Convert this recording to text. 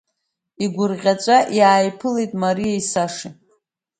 Игәырӷьаҵәа иааиԥылеит Мариеи Сашеи.